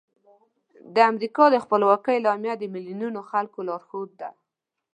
د امریکا د خپلواکۍ اعلامیه د میلیونونو خلکو لارښود ده.